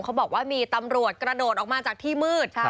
เขาบอกว่ามีตำรวจกระโดดออกมาจากที่มืด